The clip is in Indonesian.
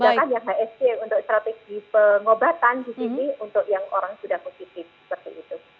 sedangkan yang hsc untuk strategi pengobatan di sini untuk yang orang sudah positif seperti itu